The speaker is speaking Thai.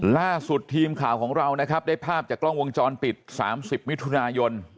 ล่าสุดทีมข่าวของเรานะครับได้ภาพจากกล้องวงจรปิด๓๐มิถุนายน